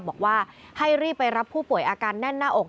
บอกว่าให้รีบไปรับผู้ป่วยอาการแน่นหน้าอก